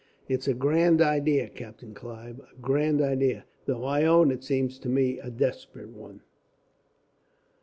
It's a grand idea, Captain Clive, a grand idea, though I own it seems to me a desperate one."